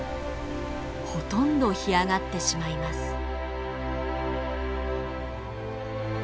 ほとんど干上がってしまいます。